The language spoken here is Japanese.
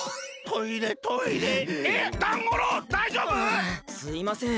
ああすいません。